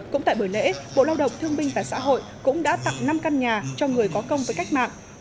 cũng tại buổi lễ bộ lao động thương binh và xã hội cũng đã tặng năm căn nhà cho người có công với cách mạng